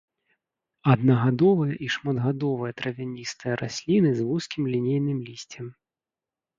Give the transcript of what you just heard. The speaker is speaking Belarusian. Аднагадовыя і шматгадовыя травяністыя расліны з вузкім лінейным лісцем.